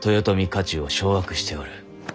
家中を掌握しておる。